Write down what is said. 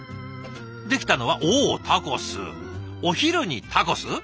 出来たのはおおタコス！お昼にタコス？